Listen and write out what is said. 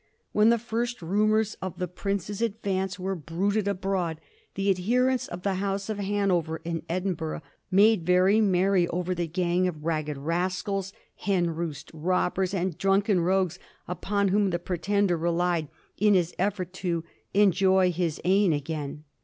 When the first rumors of the prince's advance were bruited abroad, the adherents of the House of Hanover in Edinburgh made very merry over the gang of ragged rascals, hen roost robbers, and drunken rogues upon whom the Pretender relied in his effort to *^ enjoy his ain again."